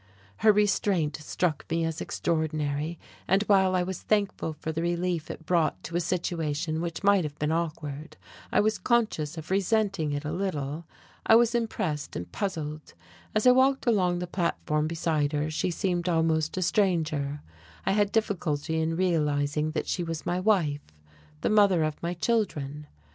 Her restraint struck me as extraordinary; and while I was thankful for the relief it brought to a situation which might have been awkward, I was conscious of resenting it a little. I was impressed and puzzled. As I walked along the platform beside her she seemed almost a stranger: I had difficulty in realizing that she was my wife, the mother of my children.